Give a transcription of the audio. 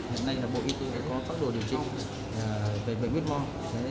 hôm nay là bộ y tư đã có pháp đồ điều trị về bệnh viết mong